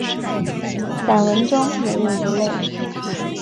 散文中也有一类。